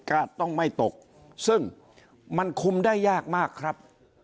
ต้องไม่ตกซึ่งมันคุมได้ยากมากครับ